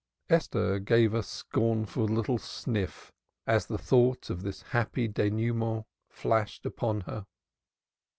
Esther gave a scornful little sniff as the thought of this happy dénouement flashed upon her.